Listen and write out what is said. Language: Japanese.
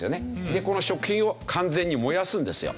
でこの食品を完全に燃やすんですよ。